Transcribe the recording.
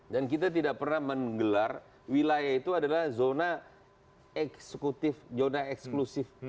dan kita tidak pernah menggelar wilayah itu adalah zona eksekutif zona eksklusif